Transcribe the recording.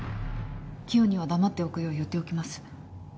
キヨには黙っておくよう言っておきます